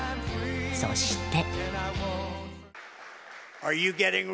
そして。